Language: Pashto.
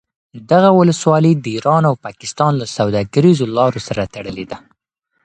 دغه ولسوالي د ایران او پاکستان له سوداګریزو لارو سره تړلې ده